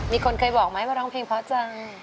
มีคนเคยบอกไหมว่าร้องเพลงเพราะจัง